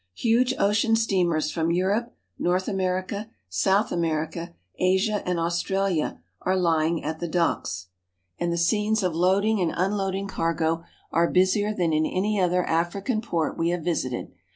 Huge ocean steamers from Europe, North America, South America, Asia, and Australia are lying at the docks, and 3 1 8 AFRICA the scenes of loading and unloading cargo are busier than in any other African port we have visited.